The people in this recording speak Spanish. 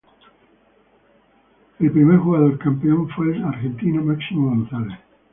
El primer jugador campeón fue el argentino Máximo González.